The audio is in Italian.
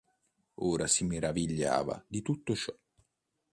Ora si meravigliava di tutto ciò.